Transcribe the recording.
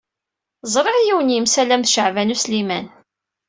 Ẓṛiɣ yiwen yemsalam d Caɛban U Sliman.